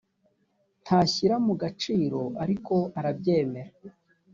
ntashyira mu gaciro ariko arabyemera